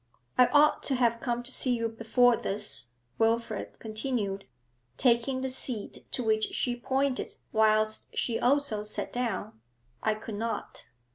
'I ought to have come to see you before this,' Wilfrid continued, taking the seat to which she pointed, whilst she also sat down. 'I could not.'